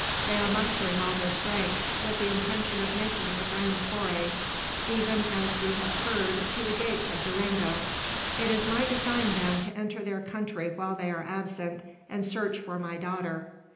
They are mustering all their strength, with the intention of making a grand foray; even, as we have heard, to the gates of Durango. It is my design, then, to enter their country while they are absent, and search for my daughter."